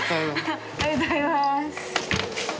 おはようございます。